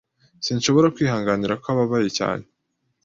Sinshobora kwihanganira ko ababaye cyane.